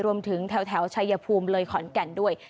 รวมถึงแถวแถวชายภูมิเลยขอนแก่นด้วย